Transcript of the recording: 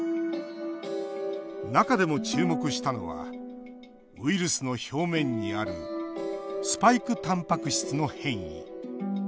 中でも注目したのはウイルスの表面にあるスパイクたんぱく質の変異。